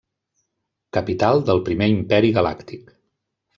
Capital del Primer Imperi Galàctic.